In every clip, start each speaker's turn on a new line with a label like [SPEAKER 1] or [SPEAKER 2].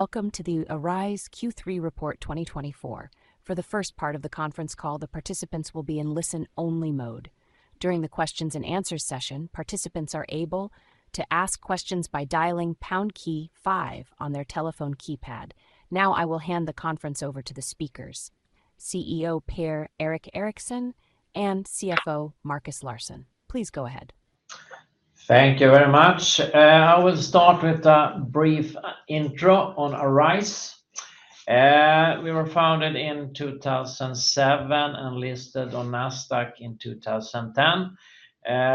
[SPEAKER 1] Welcome to the Arise Q3 Report 2024. For the first part of the conference call, the participants will be in listen-only mode. During the question-and-answer session, participants are able to ask questions by dialing key five on their telephone keypad. Now, I will hand the conference over to the speakers: CEO Per-Erik Eriksson and CFO Markus Larsson. Please go ahead.
[SPEAKER 2] Thank you very much. I will start with a brief intro on Arise. We were founded in 2007 and listed on Nasdaq in 2010.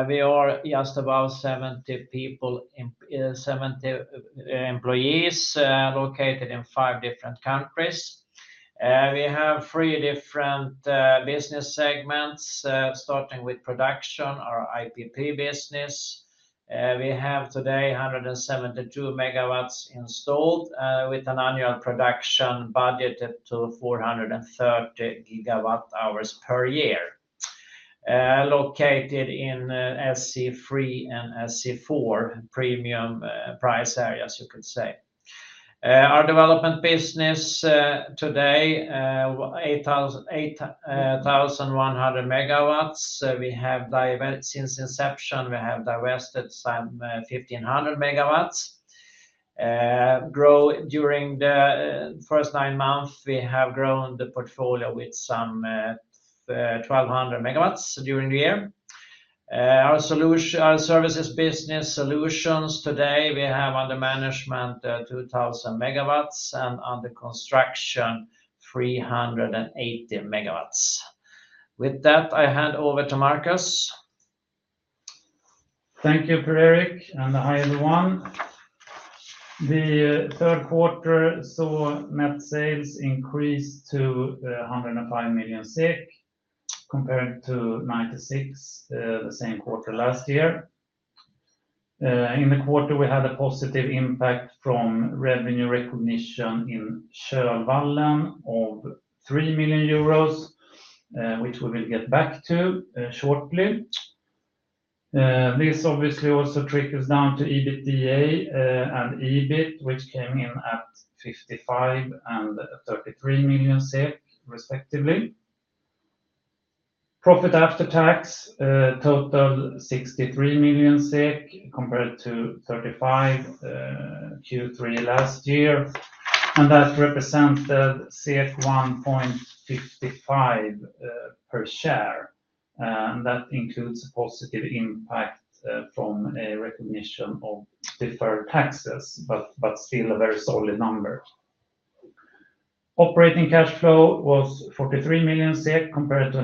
[SPEAKER 2] We are just about 70 employees located in five different countries. We have three different business segments, starting with production, our IPP business. We have today 172 MW installed, with an annual production budgeted to 430 GWh per year, located in SE3 and SE4 premium price areas, you could say. Our development business today is 8,100 MW. Since inception, we have divested some 1,500 MW. During the first nine months, we have grown the portfolio with some 1,200 MW during the year. Our services business solutions today, we have under management 2,000 MW, and under construction 380 MW. With that, I hand over to Markus.
[SPEAKER 3] Thank you, Per-Erik, and hi everyone. The third quarter saw net sales increase to 105 million, compared to 96 million the same quarter last year. In the quarter, we had a positive impact from revenue recognition in Kölvallen of 3 million euros, which we will get back to shortly. This obviously also trickles down to EBITDA and EBIT, which came in at 55 million and 33 million, respectively. Profit after tax totaled 63 million, compared to 35 million Q3 last year, and that represented 1.55 per share. And that includes a positive impact from a recognition of deferred taxes, but still a very solid number. Operating cash flow was 43 million SEK, compared to a -47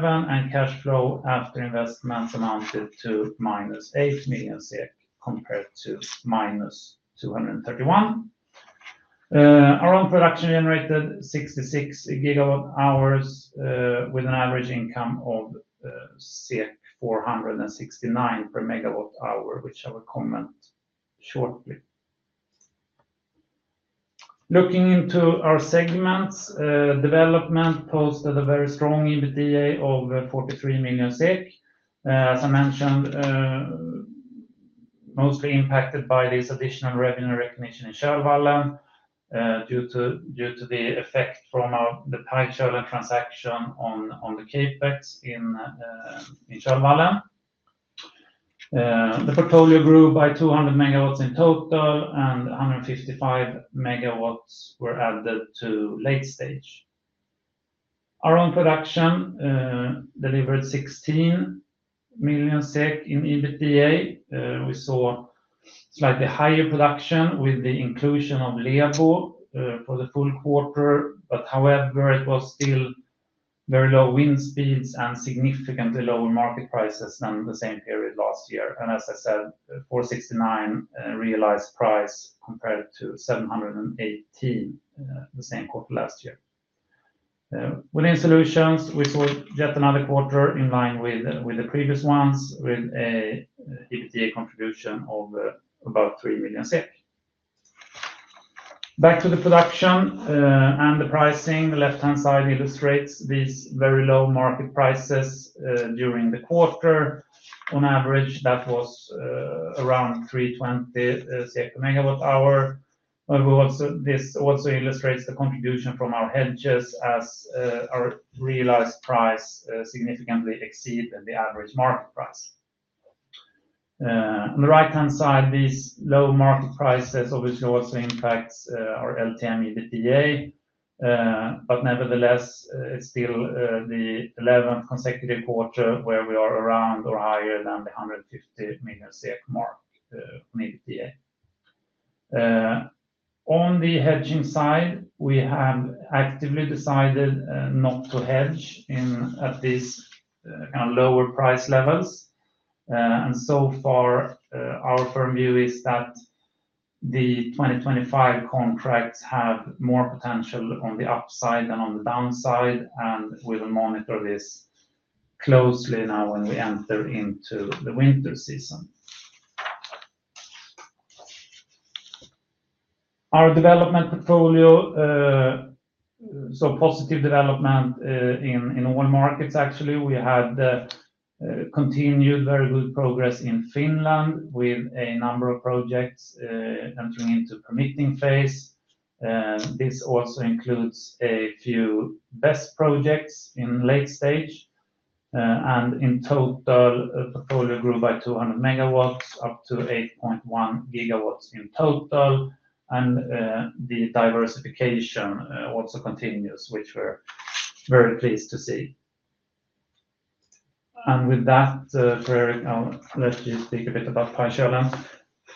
[SPEAKER 3] million, and cash flow after investments amounted to -8 million SEK, compared to -231. Our own production generated 66 GWh, with an average income of 469 per megawatt-hour, which I will comment shortly. Looking into our segments, development posted a very strong EBITDA of 43 million SEK. As I mentioned, mostly impacted by this additional revenue recognition in Kölvallen due to the effect from the Pajkölen transaction on the CapEx in Kölvallen. The portfolio grew by 200 MW in total, and 155 MW were added to late-stage. Our own production delivered 16 million SEK in EBITDA. We saw slightly higher production with the inclusion of Lebo for the full quarter, but however, it was still very low wind speeds and significantly lower market prices than the same period last year, and as I said, 469 realized price compared to 718 the same quarter last year. Within solutions, we saw yet another quarter in line with the previous ones, with an EBITDA contribution of about 3 million SEK. Back to the production and the pricing, the left-hand side illustrates these very low market prices during the quarter. On average, that was around 320 per megawatt-hour. This also illustrates the contribution from our hedges as our realized price significantly exceeds the average market price. On the right-hand side, these low market prices obviously also impact our LTM EBITDA, but nevertheless, it's still the 11th consecutive quarter where we are around or higher than the 150 million mark on EBITDA. On the hedging side, we have actively decided not to hedge at these lower price levels. So far, our firm view is that the 2025 contracts have more potential on the upside than on the downside, and we will monitor this closely now when we enter into the winter season. Our development portfolio saw positive development in all markets, actually. We had continued very good progress in Finland with a number of projects entering into permitting phase. This also includes a few BESS projects in late stage. In total, the portfolio grew by 200 MW, up to 8.1 GW in total. The diversification also continues, which we're very pleased to see. With that, Per-Erik, I'll let you speak a bit about Pajkölen.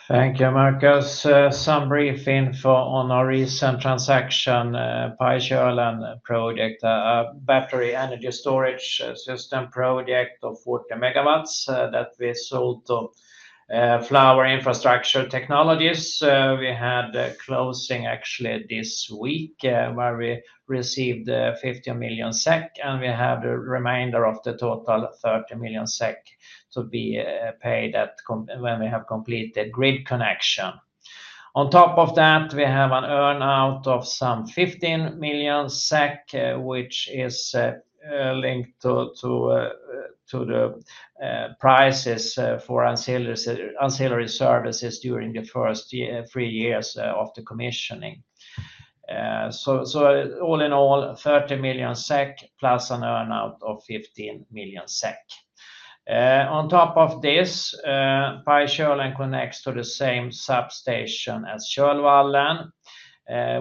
[SPEAKER 2] Thank you, Markus. Some brief info on our recent transaction: Pajkölen project, a battery energy storage system project of 40 MW that we sold to Flower Infrastructure Technologies. We had closing actually this week where we received 50 million SEK, and we have the remainder of the total 30 million SEK to be paid when we have completed grid connection. On top of that, we have an earn-out of some 15 million SEK, which is linked to the prices for ancillary services during the first three years of the commissioning. So all in all, 30 million SEK plus an earn-out of 15 million SEK. On top of this, Pajkölen connects to the same substation as Kölvallen,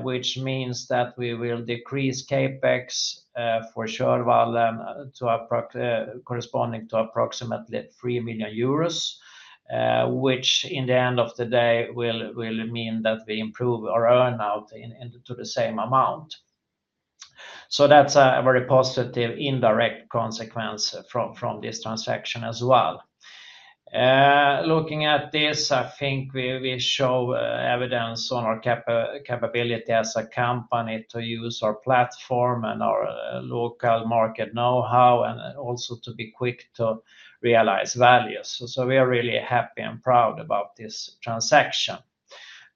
[SPEAKER 2] which means that we will decrease CapEx for Kölvallen corresponding to approximately 3 million euros, which in the end of the day will mean that we improve our earn-out to the same amount. So that's a very positive indirect consequence from this transaction as well. Looking at this, I think we show evidence on our capability as a company to use our platform and our local market know-how, and also to be quick to realize values. So we are really happy and proud about this transaction.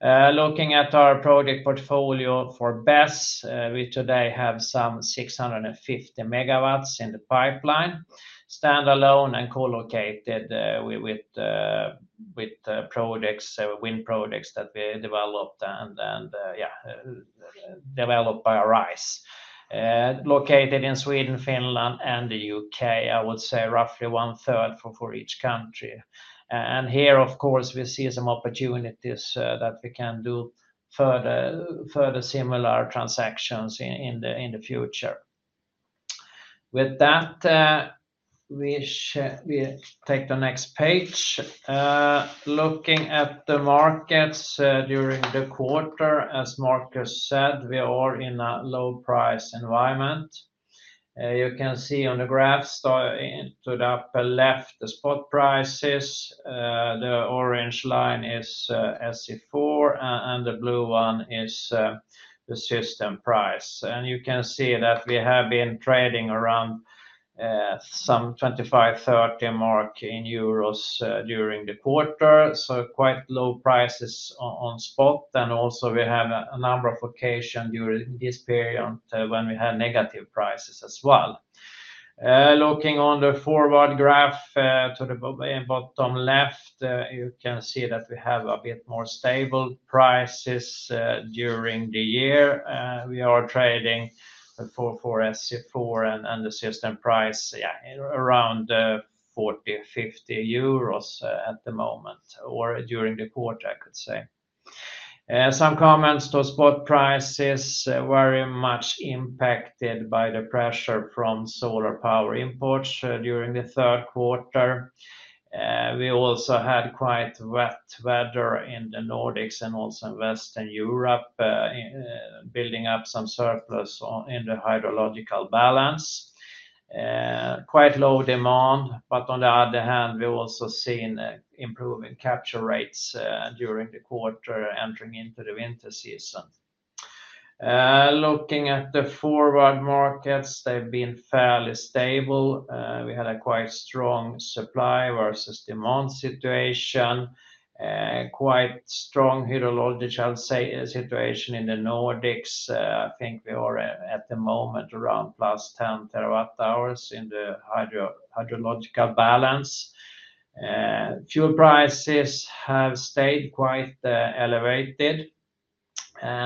[SPEAKER 2] Looking at our project portfolio for BESS, we today have some 650 MW in the pipeline, standalone and co-located with projects, wind projects that we developed and developed by Arise. Located in Sweden, Finland, and the U.K., I would say roughly 1/3 for each country. And here, of course, we see some opportunities that we can do further similar transactions in the future. With that, we take the next page. Looking at the markets during the quarter, as Markus said, we are in a low-price environment. You can see on the graphs to the upper left the spot prices. The orange line is SE4, and the blue one is the system price. And you can see that we have been trading around some 25-30 euros during the quarter. So quite low prices on spot. And also we have a number of occasions during this period when we had negative prices as well. Looking on the forward graph to the bottom left, you can see that we have a bit more stable prices during the year. We are trading for SE4 and the system price around 40-50 euros at the moment, or during the quarter, I could say. Some comments to spot prices very much impacted by the pressure from solar power imports during the third quarter. We also had quite wet weather in the Nordics and also in Western Europe, building up some surplus in the hydrological balance. Quite low demand, but on the other hand, we've also seen improving capture rates during the quarter entering into the winter season. Looking at the forward markets, they've been fairly stable. We had a quite strong supply versus demand situation. Quite strong hydrological situation in the Nordics. I think we are at the moment around +10 TWh in the hydrological balance. Fuel prices have stayed quite elevated.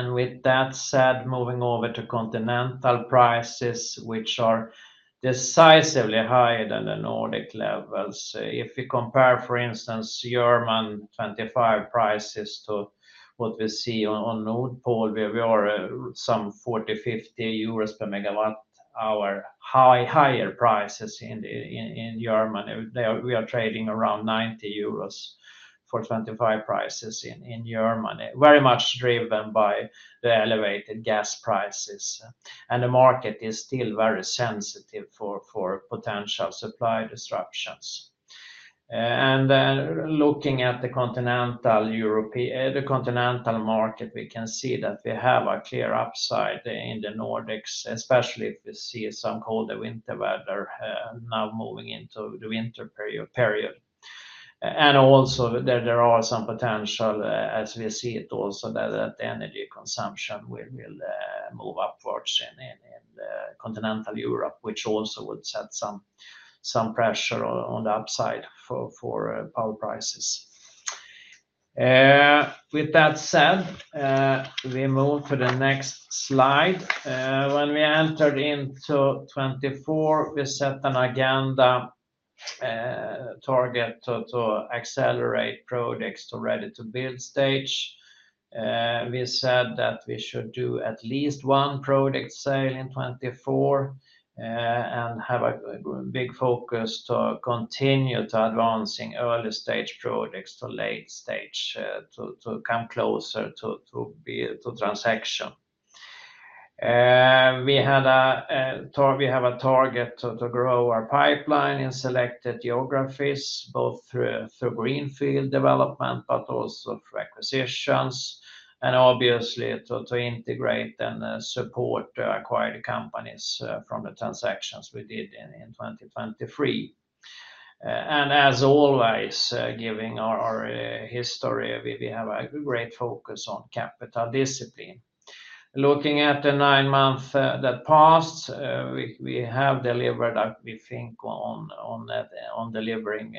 [SPEAKER 2] With that said, moving over to continental prices, which are decisively higher than the Nordic levels. If we compare, for instance, German 25 prices to what we see on Nord Pool, we are some 40-50 euros per megawatt-hour higher prices in Germany. We are trading around 90 euros for 25 prices in Germany, very much driven by the elevated gas prices, and the market is still very sensitive for potential supply disruptions. And looking at the continental market, we can see that we have a clear upside in the Nordics, especially if we see some colder winter weather now moving into the winter period, and also there are some potential, as we see it also, that the energy consumption will move upwards in continental Europe, which also would set some pressure on the upside for power prices. With that said, we move to the next slide. When we entered into 2024, we set an agenda target to accelerate projects to ready-to-build stage. We said that we should do at least one project sale in 2024 and have a big focus to continue to advancing early-stage projects to late-stage to come closer to transaction. We have a target to grow our pipeline in selected geographies, both through greenfield development, but also through acquisitions, and obviously to integrate and support acquired companies from the transactions we did in 2023. As always, given our history, we have a great focus on capital discipline. Looking at the nine months that passed, we have delivered, we think, on delivering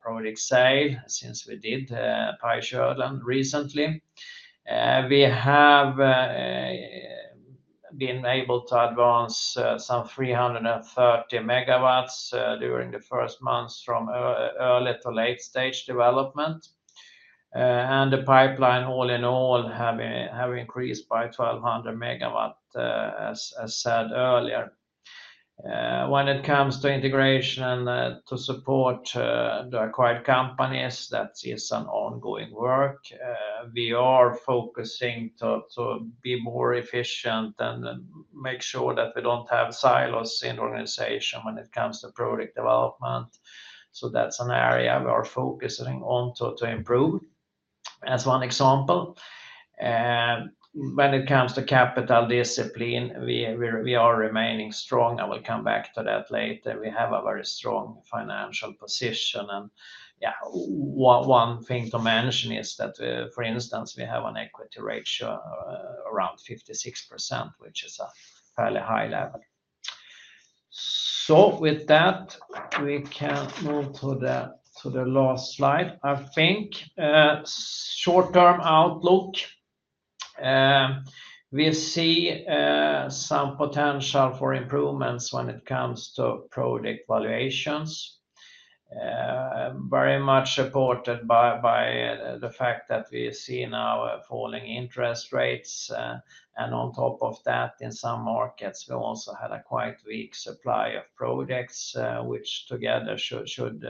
[SPEAKER 2] project sale since we did Pajkölen recently. We have been able to advance some 330 MW during the first months from early to late-stage development. The pipeline, all in all, has increased by 1,200 MW, as said earlier. When it comes to integration to support the acquired companies, that is an ongoing work. We are focusing to be more efficient and make sure that we don't have silos in the organization when it comes to project development. So that's an area we are focusing on to improve. As one example, when it comes to capital discipline, we are remaining strong. I will come back to that later. We have a very strong financial position. And one thing to mention is that, for instance, we have an equity ratio around 56%, which is a fairly high level. So with that, we can move to the last slide, I think. Short-term outlook. We see some potential for improvements when it comes to project valuations, very much supported by the fact that we see now falling interest rates. And on top of that, in some markets, we also had a quite weak supply of projects, which together should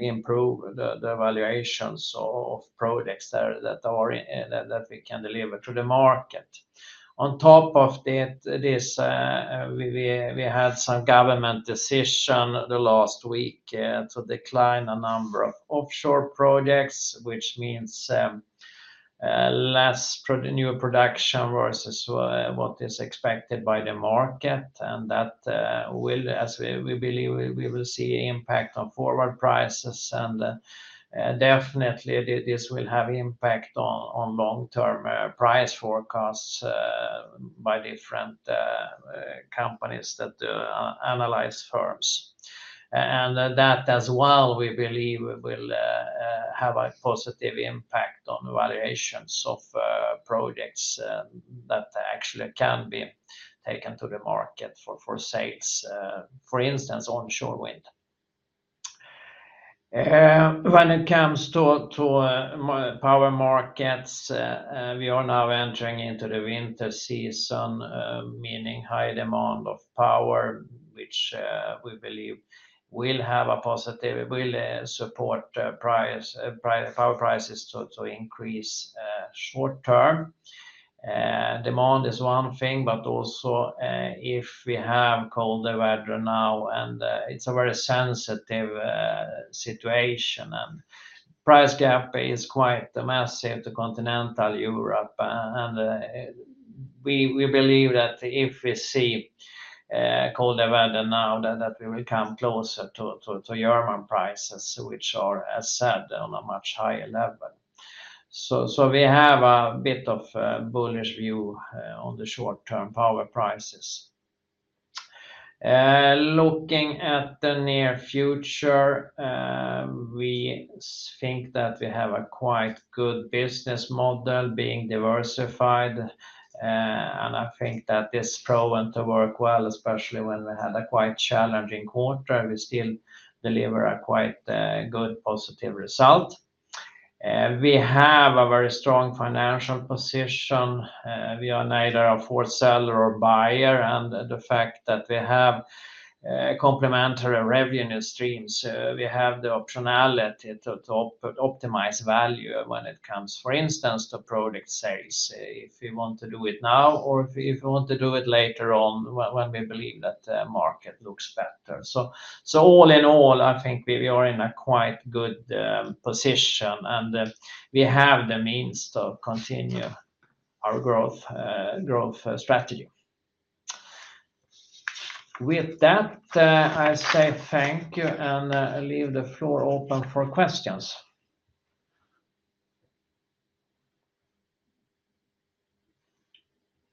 [SPEAKER 2] improve the valuations of projects that we can deliver to the market. On top of this, we had some government decision the last week to decline a number of offshore projects, which means less new production versus what is expected by the market. And that will, as we believe, we will see an impact on forward prices. And definitely, this will have an impact on long-term price forecasts by different companies that analyze firms. And that as well, we believe, will have a positive impact on valuations of projects that actually can be taken to the market for sales, for instance, onshore wind. When it comes to power markets, we are now entering into the winter season, meaning high demand of power, which we believe will have a positive support for power prices to increase short-term. Demand is one thing, but also if we have colder weather now, and it's a very sensitive situation, and price gap is quite massive to continental Europe. We believe that if we see colder weather now, that we will come closer to German prices, which are, as said, on a much higher level. We have a bit of a bullish view on the short-term power prices. Looking at the near future, we think that we have a quite good business model being diversified. I think that it's proven to work well, especially when we had a quite challenging quarter. We still deliver a quite good positive result. We have a very strong financial position. We are neither a foreseller nor a buyer, and the fact that we have complementary revenue streams, we have the optionality to optimize value when it comes, for instance, to project sales, if we want to do it now or if we want to do it later on when we believe that the market looks better, so all in all, I think we are in a quite good position, and we have the means to continue our growth strategy. With that, I say thank you and leave the floor open for questions.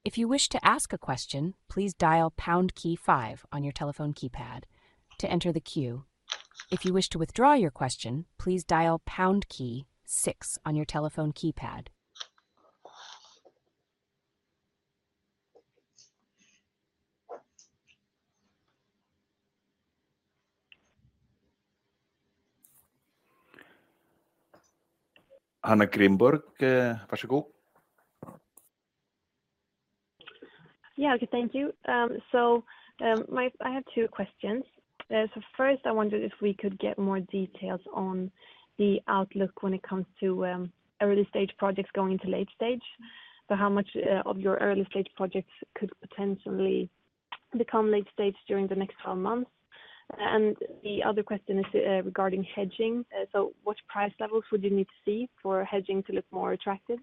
[SPEAKER 1] If you wish to ask a question, please dial pound key five on your telephone keypad to enter the queue. If you wish to withdraw your question, please dial pound key six on your telephone keypad.
[SPEAKER 3] Hanna Grimborg.
[SPEAKER 4] Yeah, okay, thank you. So I have two questions. So first, I wondered if we could get more details on the outlook when it comes to early-stage projects going into late stage. So how much of your early-stage projects could potentially become late-stage during the next 12 months? And the other question is regarding hedging. So what price levels would you need to see for hedging to look more attractive?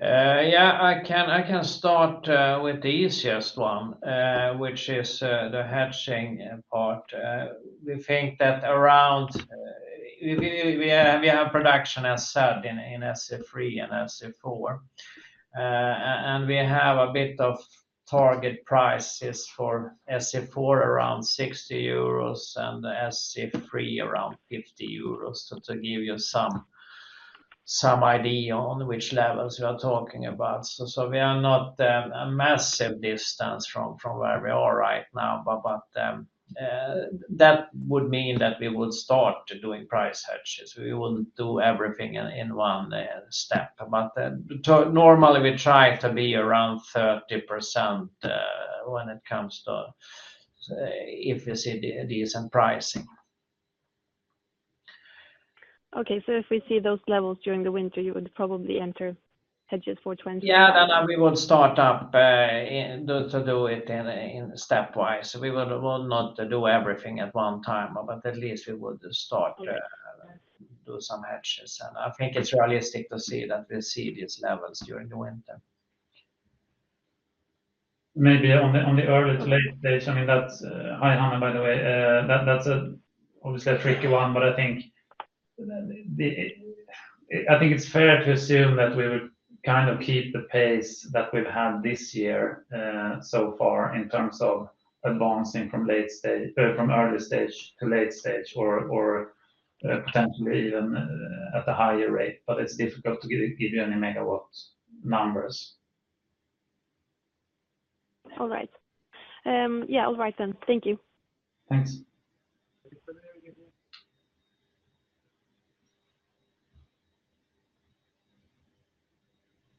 [SPEAKER 2] Yeah, I can start with the easiest one, which is the hedging part. We think that around we have production, as said, in SE3 and SE4. And we have a bit of target prices for SE4 around 60 euros and SE3 around 50 euros, to give you some idea on which levels we are talking about. So we are not a massive distance from where we are right now, but that would mean that we would start doing price hedges. We wouldn't do everything in one step. But normally, we try to be around 30% when it comes to if we see decent pricing.
[SPEAKER 4] Okay, so if we see those levels during the winter, you would probably enter hedges for 20?
[SPEAKER 2] Yeah, we would start up to do it stepwise. We will not do everything at one time, but at least we would start to do some hedges, and I think it's realistic to see that we see these levels during the winter.
[SPEAKER 3] Maybe on the early to late stage. I mean, that's hi, Hanna, by the way. That's obviously a tricky one, but I think it's fair to assume that we would kind of keep the pace that we've had this year so far in terms of advancing from early stage to late stage or potentially even at a higher rate. But it's difficult to give you any megawatt numbers.
[SPEAKER 4] All right. Yeah, all right then. Thank you.
[SPEAKER 3] Thanks.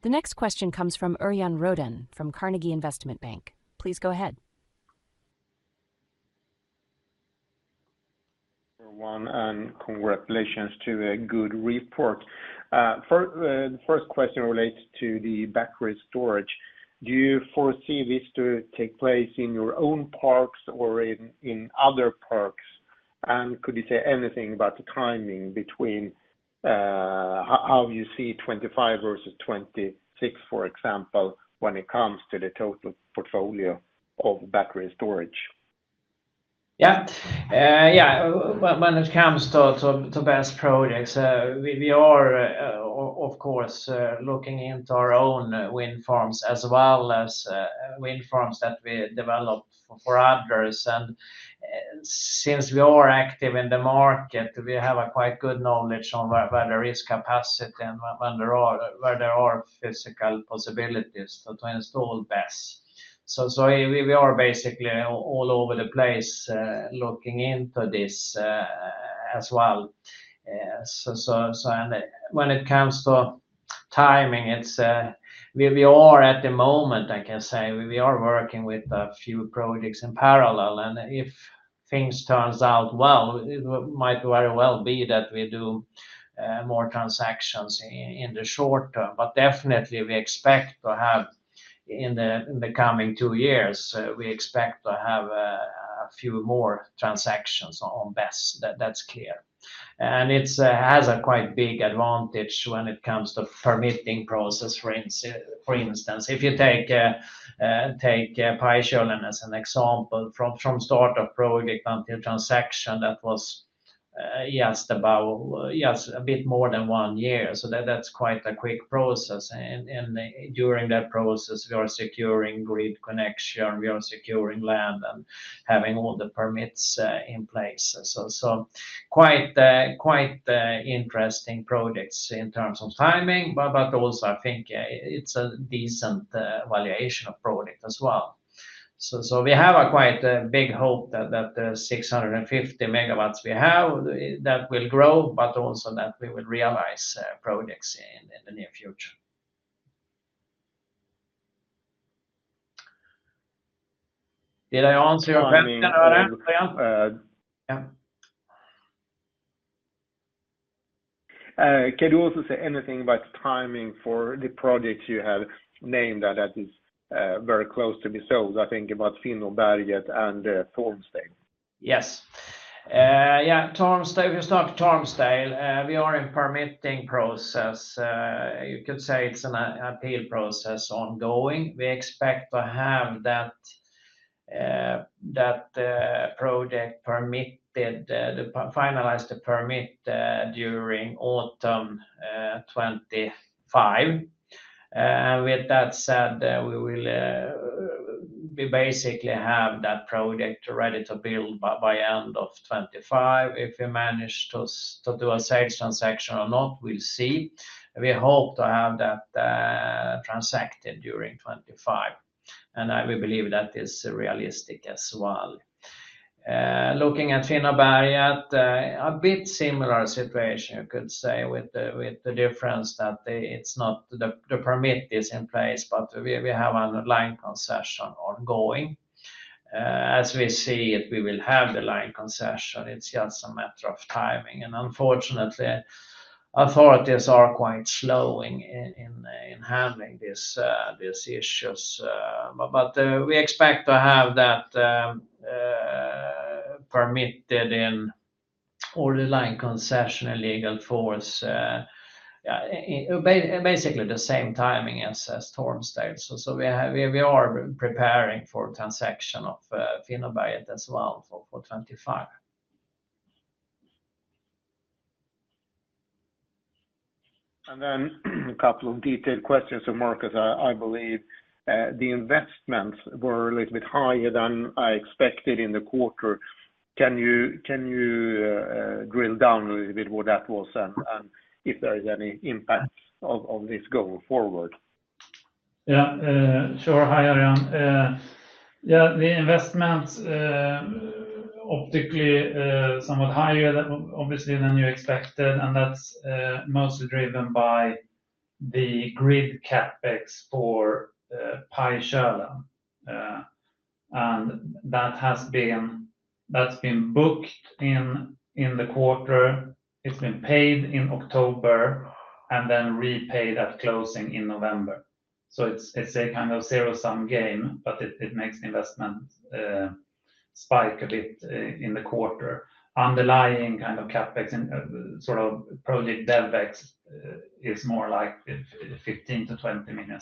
[SPEAKER 1] The next question comes from Örjan Rödén from Carnegie Investment Bank. Please go ahead.
[SPEAKER 5] And congratulations on a good report. The first question relates to the battery storage. Do you foresee this to take place in your own parks or in other parks? And could you say anything about the timing between how you see 2025 versus 2026, for example, when it comes to the total portfolio of battery storage?
[SPEAKER 2] Yeah. Yeah, when it comes to BESS projects, we are, of course, looking into our own wind farms as well as wind farms that we develop for others. And since we are active in the market, we have quite good knowledge on where there is capacity and where there are physical possibilities to install BESS. So we are basically all over the place looking into this as well. So when it comes to timing, we are at the moment, I can say, we are working with a few projects in parallel. And if things turn out well, it might very well be that we do more transactions in the short-term. But definitely, we expect to have in the coming two years, we expect to have a few more transactions on BESS. That's clear. And it has a quite big advantage when it comes to permitting process, for instance. If you take Pajkölen Kölvallen as an example, from start of project until transaction, that was just a bit more than one year. So that's quite a quick process. And during that process, we are securing grid connection. We are securing land and having all the permits in place. So quite interesting projects in terms of timing, but also I think it's a decent valuation of project as well. So we have a quite big hope that the 650 MW we have that will grow, but also that we will realize projects in the near future. Did I answer your question?
[SPEAKER 5] Yeah. Can you also say anything about the timing for the projects you have named that is very close to be sold? I think about Finnåberget and Tormsdalen.
[SPEAKER 2] Yes. Yeah, Tormsdalen, we'll start with Tormsdalen. We are in permitting process. You could say it's an appeal process ongoing. We expect to have that project finalized to permit during autumn 2025. With that said, we will basically have that project ready to build by end of 2025. If we manage to do a sales transaction or not, we'll see. We hope to have that transacted during 2025, and we believe that is realistic as well. Looking at Finnåberget, a bit similar situation, you could say, with the difference that the permit is in place, but we have a line concession ongoing. As we see it, we will have the line concession. It's just a matter of timing, and unfortunately, authorities are quite slow in handling these issues, but we expect to have that permitted in order line concession and legal force, basically the same timing as Tormsdalen. So we are preparing for transaction of Finnåberget as well for 2025.
[SPEAKER 5] And then a couple of detailed questions from Markus. I believe the investments were a little bit higher than I expected in the quarter. Can you drill down a little bit what that was and if there is any impact of this going forward?
[SPEAKER 3] Yeah. Sure, hi, Örjan. Yeah, the investments optically somewhat higher, obviously than you expected. And that's mostly driven by the grid CapEx for Pajkölen. And that's been booked in the quarter. It's been paid in October and then repaid at closing in November. So it's a kind of zero-sum game, but it makes the investment spike a bit in the quarter. Underlying kind of CapEx, sort of project DevEx is more like 15 million-20 million.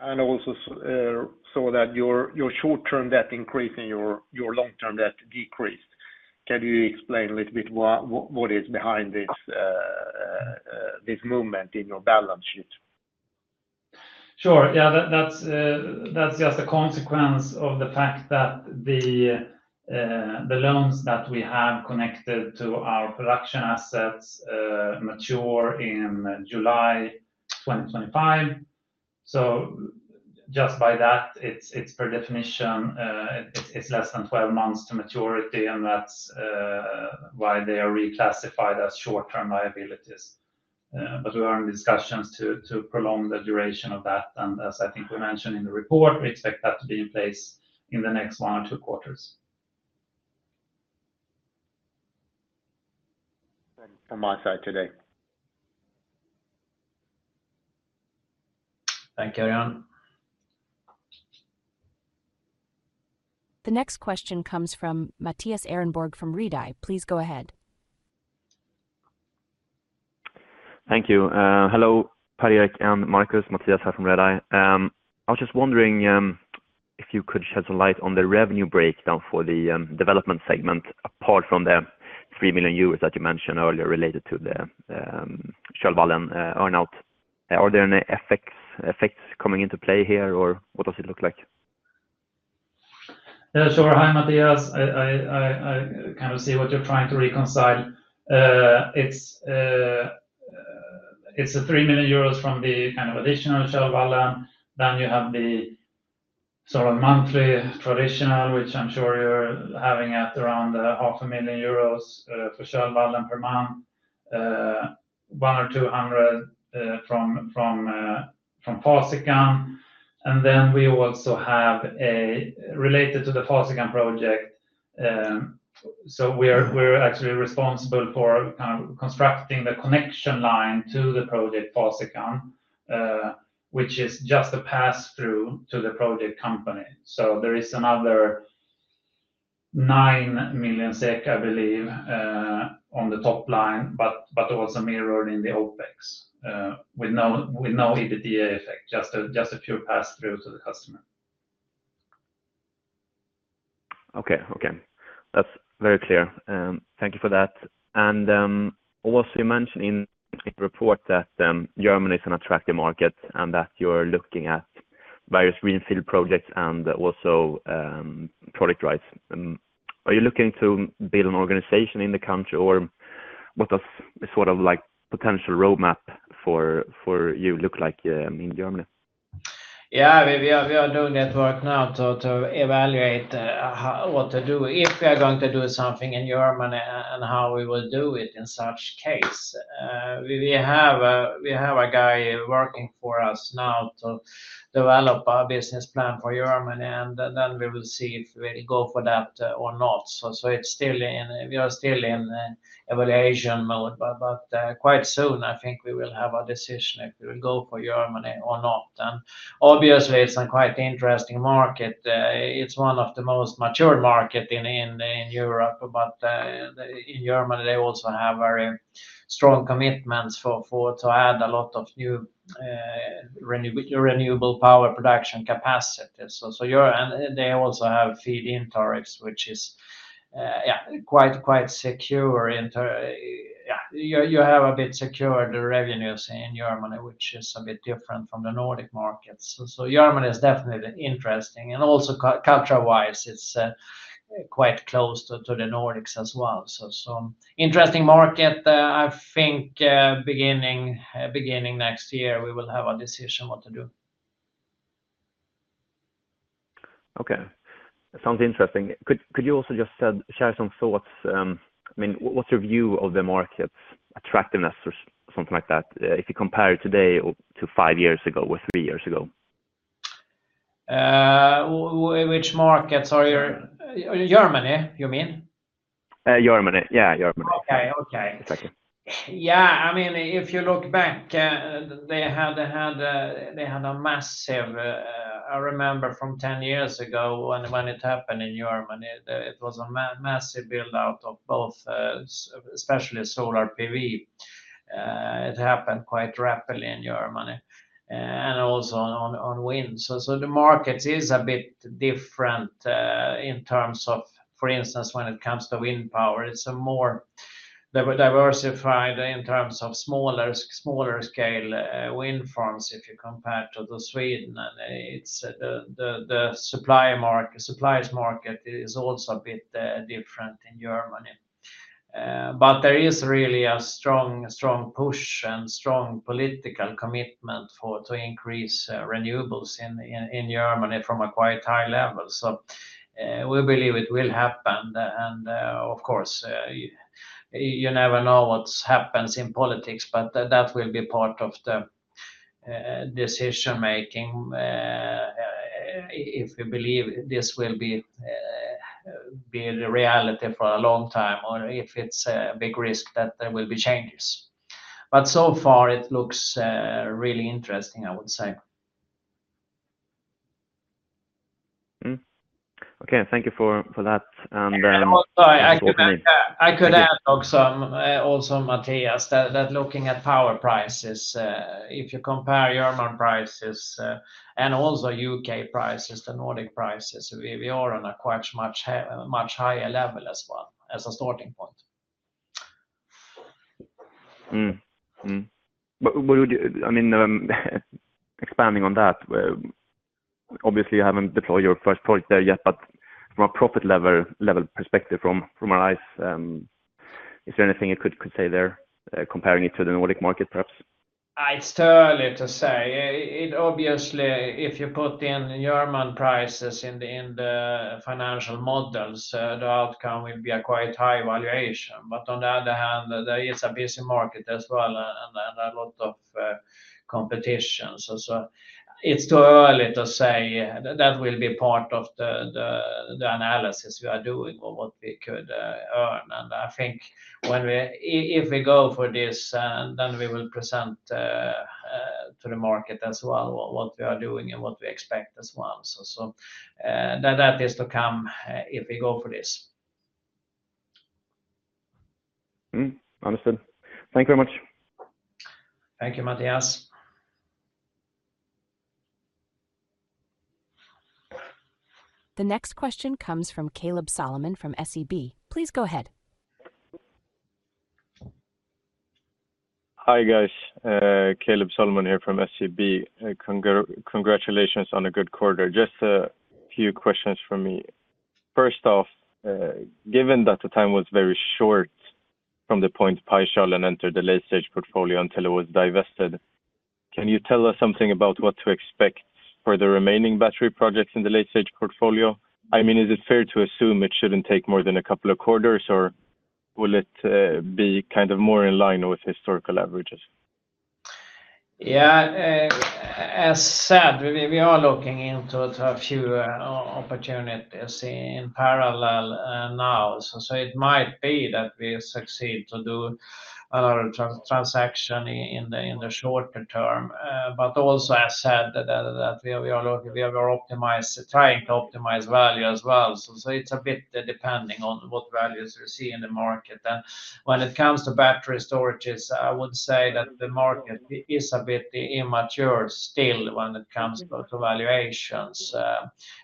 [SPEAKER 5] I also saw that your short-term debt increased and your long-term debt decreased. Can you explain a little bit what is behind this movement in your balance sheet?
[SPEAKER 3] Sure. Yeah, that's just a consequence of the fact that the loans that we have connected to our production assets mature in July 2025. So just by that, it's by definition, it's less than 12 months to maturity. And that's why they are reclassified as short-term liabilities. But we are in discussions to prolong the duration of that. And as I think we mentioned in the report, we expect that to be in place in the next one or two quarters.
[SPEAKER 5] from my side today.
[SPEAKER 3] Thank you, Örjan.
[SPEAKER 1] The next question comes from Mattias Ehrenborg from Redeye. Please go ahead.
[SPEAKER 6] Thank you. Hello, Per-Erik and Markus. Mattias here from Redeye. I was just wondering if you could shed some light on the revenue breakdown for the development segment apart from the 3 million euros that you mentioned earlier related to the Kölvallen earn-out. Are there any effects coming into play here, or what does it look like?
[SPEAKER 3] Sure, hi, Mattias. I kind of see what you're trying to reconcile. It's 3 million euros from the kind of additional Kölvallen. Then you have the sort of monthly traditional, which I'm sure you're having at around 500,000 euros for Kölvallen per month, 100-200 from Fasikan. And then we also have related to the Fasikan project. So we're actually responsible for kind of constructing the connection line to the project Fasikan, which is just a pass-through to the project company. So there is another 9 million SEK, I believe, on the top line, but also mirrored in the OpEx with no EBITDA effect, just a few pass-throughs to the customer.
[SPEAKER 6] Okay, okay. That's very clear. Thank you for that. And also you mentioned in the report that Germany is an attractive market and that you're looking at various greenfield projects and also project rights. Are you looking to build an organization in the country, or what does sort of potential roadmap for you look like in Germany?
[SPEAKER 2] Yeah, we are doing a network now to evaluate what to do if we are going to do something in Germany and how we will do it in such case. We have a guy working for us now to develop a business plan for Germany, and then we will see if we go for that or not. So we are still in evaluation mode, but quite soon, I think we will have a decision if we will go for Germany or not. And obviously, it's a quite interesting market. It's one of the most mature markets in Europe, but in Germany, they also have very strong commitments to add a lot of new renewable power production capacity. So they also have feed-in tariffs, which is quite secure. You have a bit secure the revenues in Germany, which is a bit different from the Nordic markets. So Germany is definitely interesting. And also culture-wise, it's quite close to the Nordics as well. So interesting market. I think beginning next year, we will have a decision what to do.
[SPEAKER 6] Okay. Sounds interesting. Could you also just share some thoughts? I mean, what's your view of the market's attractiveness or something like that if you compare today to five years ago or three years ago?
[SPEAKER 2] Which markets? Germany, you mean?
[SPEAKER 6] Germany. Yeah, Germany.
[SPEAKER 2] Okay, okay. Yeah, I mean, if you look back, they had a massive. I remember from 10 years ago when it happened in Germany. It was a massive build-out of both, especially solar PV. It happened quite rapidly in Germany and also on wind. So the market is a bit different in terms of, for instance, when it comes to wind power, it's more diversified in terms of smaller scale wind farms if you compare to Sweden. And the supply market is also a bit different in Germany. But there is really a strong push and strong political commitment to increase renewables in Germany from a quite high level. So we believe it will happen. And of course, you never know what happens in politics, but that will be part of the decision-making if we believe this will be the reality for a long time or if it's a big risk that there will be changes. But so far, it looks really interesting, I would say.
[SPEAKER 6] Okay, thank you for that.
[SPEAKER 2] Yeah, I could add also, Mattias, that looking at power prices, if you compare German prices and also U.K. prices, the Nordic prices, we are on a quite much higher level as well as a starting point.
[SPEAKER 6] I mean, expanding on that, obviously, you haven't deployed your first project there yet, but from a profit level perspective from our eyes, is there anything you could say there comparing it to the Nordic market, perhaps?
[SPEAKER 2] It's too early to say. Obviously, if you put in German prices in the financial models, the outcome will be a quite high valuation. But on the other hand, there is a busy market as well and a lot of competition. So it's too early to say that will be part of the analysis we are doing or what we could earn. And I think if we go for this, then we will present to the market as well what we are doing and what we expect as well. So that is to come if we go for this.
[SPEAKER 6] Understood. Thank you very much.
[SPEAKER 2] Thank you, Mattias.
[SPEAKER 1] The next question comes from Kaleb Solomon from SEB. Please go ahead.
[SPEAKER 7] Hi guys. Kaleb Solomon here from SEB. Congratulations on a good quarter. Just a few questions for me. First off, given that the time was very short from the point Pajkölen entered the late-stage portfolio until it was divested, can you tell us something about what to expect for the remaining battery projects in the late-stage portfolio? I mean, is it fair to assume it shouldn't take more than a couple of quarters, or will it be kind of more in line with historical averages?
[SPEAKER 2] Yeah, as said, we are looking into a few opportunities in parallel now. So it might be that we succeed to do another transaction in the shorter term. But also, as said, that we are trying to optimize value as well. So it's a bit depending on what values we see in the market. And when it comes to battery storages, I would say that the market is a bit immature still when it comes to valuations.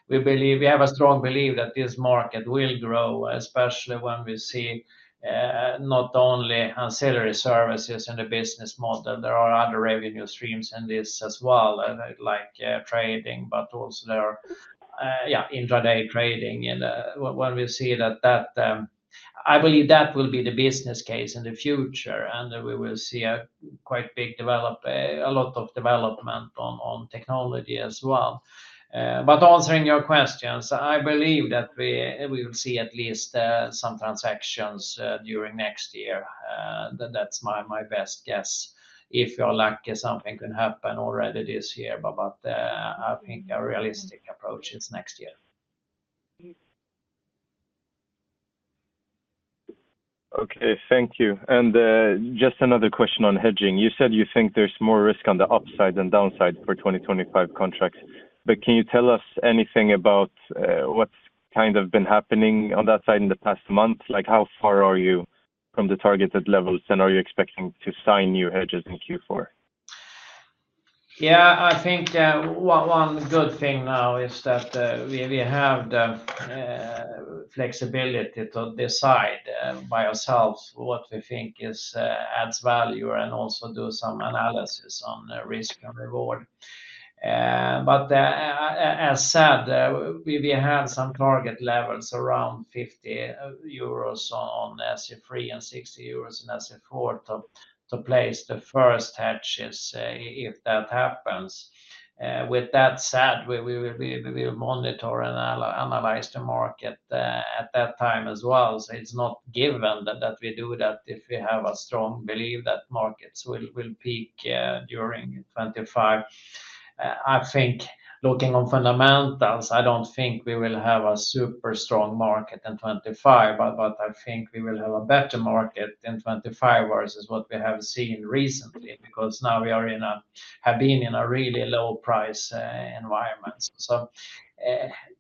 [SPEAKER 2] We have a strong belief that this market will grow, especially when we see not only ancillary services in the business model. There are other revenue streams in this as well, like trading, but also there are intraday trading. And when we see that, I believe that will be the business case in the future. And we will see a quite big development, a lot of development on technology as well. But answering your questions, I believe that we will see at least some transactions during next year. That's my best guess. If you're lucky, something can happen already this year. But I think a realistic approach is next year.
[SPEAKER 7] Okay, thank you. And just another question on hedging. You said you think there's more risk on the upside than downside for 2025 contracts. But can you tell us anything about what's kind of been happening on that side in the past month? How far are you from the targeted levels, and are you expecting to sign new hedges in Q4?
[SPEAKER 2] Yeah, I think one good thing now is that we have the flexibility to decide by ourselves what we think adds value and also do some analysis on risk and reward. But as said, we have some target levels around 50 euros on SE3 and 60 euros on SE4 to place the first hedges if that happens. With that said, we will monitor and analyze the market at that time as well. So it's not given that we do that if we have a strong belief that markets will peak during 2025. I think looking on fundamentals, I don't think we will have a super strong market in 2025. But I think we will have a better market in 2025 versus what we have seen recently because now we have been in a really low-price environment. So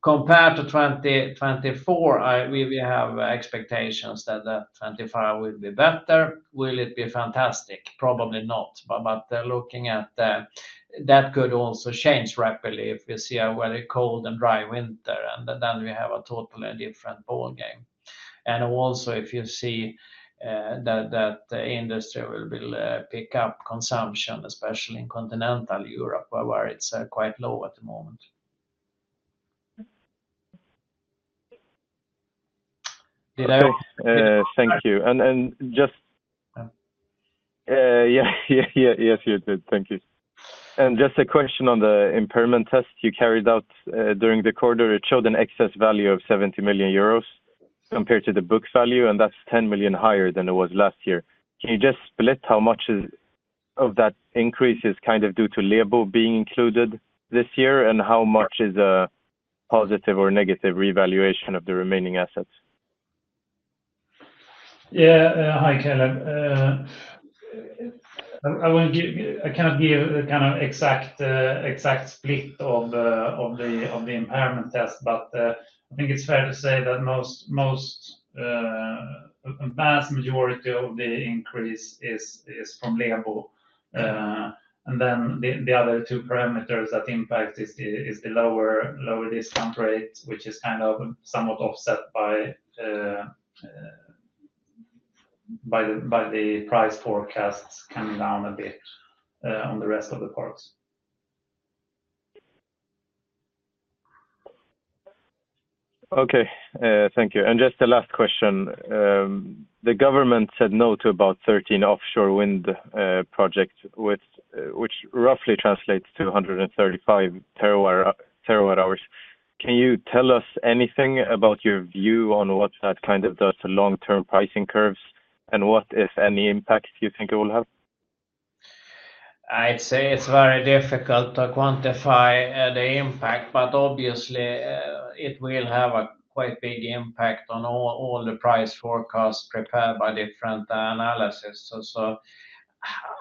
[SPEAKER 2] compared to 2024, we have expectations that 2025 will be better. Will it be fantastic? Probably not, but looking at that, that could also change rapidly if we see a very cold and dry winter, and then we have a totally different ballgame, and also, if you see that the industry will pick up consumption, especially in continental Europe, where it's quite low at the moment.
[SPEAKER 7] Thank you, and just.
[SPEAKER 2] Yeah.
[SPEAKER 7] Yes, you did. Thank you. And just a question on the impairment test you carried out during the quarter. It showed an excess value of 70 million euros compared to the book value, and that's 10 million higher than it was last year. Can you just split how much of that increase is kind of due to Lebo being included this year, and how much is a positive or negative revaluation of the remaining assets?
[SPEAKER 8] Yeah, hi, Kaleb. I can't give a kind of exact split of the impairment test, but I think it's fair to say that most, vast majority of the increase is from Lebo. And then the other two parameters that impact is the lower discount rate, which is kind of somewhat offset by the price forecasts coming down a bit on the rest of the parts.
[SPEAKER 7] Okay, thank you. And just the last question. The government said no to about 13 offshore wind projects, which roughly translates to 135 TWh. Can you tell us anything about your view on what that kind of does to long-term pricing curves and what, if any, impact you think it will have?
[SPEAKER 2] I'd say it's very difficult to quantify the impact, but obviously, it will have a quite big impact on all the price forecasts prepared by different analysts. So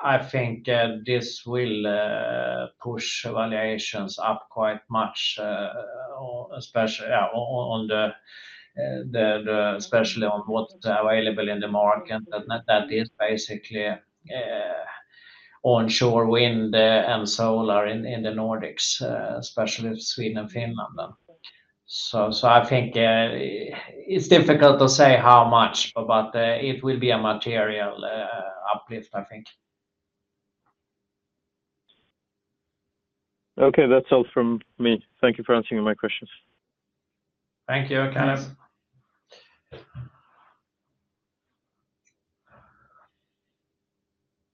[SPEAKER 2] I think this will push valuations up quite much, especially on what's available in the market that is basically onshore wind and solar in the Nordics, especially Sweden and Finland. So I think it's difficult to say how much, but it will be a material uplift, I think.
[SPEAKER 7] Okay, that's all from me. Thank you for answering my questions.
[SPEAKER 2] Thank you, Kaleb.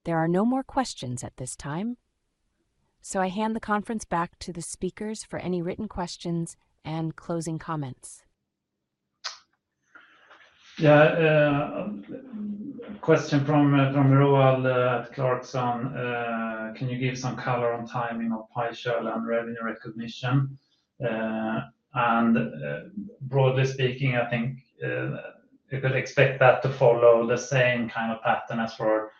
[SPEAKER 1] There are no more questions at this time. So I hand the conference back to the speakers for any written questions and closing comments.
[SPEAKER 3] Yeah, question from Roald at Clarksons. Can you give some color on timing of Pajkölen Kölvallen revenue recognition? And broadly speaking, I think you could expect that to follow the same kind of pattern as for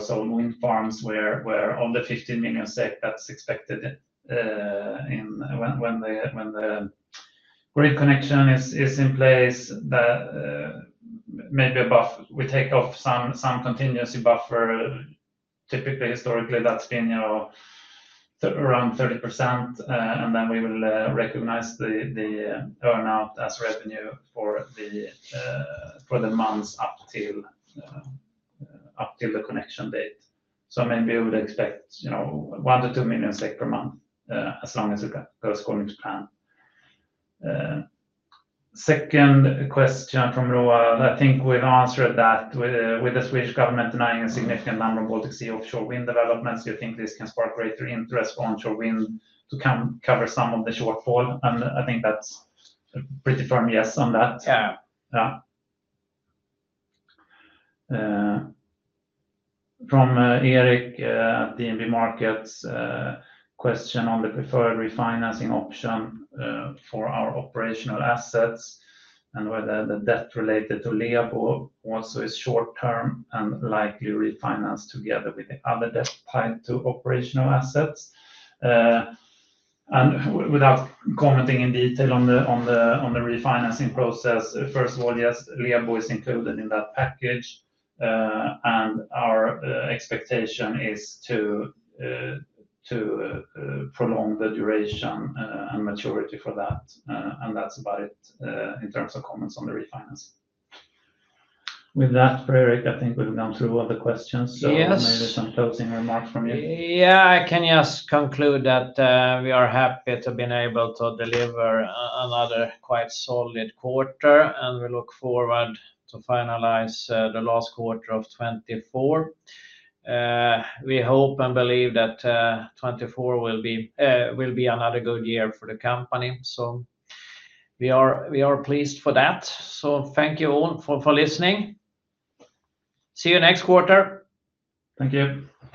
[SPEAKER 3] solar wind farms where of the 15 million SEK that's expected when the grid connection is in place, maybe we take off some contingency buffer. Typically, historically, that's been around 30%, and then we will recognize the earn-out as revenue for the months up till the connection date. So maybe we would expect 1 million-2 million SEK per month as long as it goes according to plan. Second question from Roald. I think we've answered that. With the Swedish government denying a significant number of Baltic Sea offshore wind developments, do you think this can spark greater interest onshore wind to cover some of the shortfall? I think that's a pretty firm yes on that. Yeah. From Erik, DNB Markets, question on the preferred refinancing option for our operational assets and whether the debt related to Lebo also is short-term and likely refinanced together with the other debt tied to operational assets. Without commenting in detail on the refinancing process, first of all, yes, Lebo is included in that package. Our expectation is to prolong the duration and maturity for that. That's about it in terms of comments on the refinance. With that, Erik, I think we've gone through all the questions. Maybe some closing remarks from you?
[SPEAKER 2] Yeah, I can just conclude that we are happy to have been able to deliver another quite solid quarter, and we look forward to finalize the last quarter of 2024. We hope and believe that 2024 will be another good year for the company. So we are pleased for that. So thank you all for listening. See you next quarter.
[SPEAKER 3] Thank you.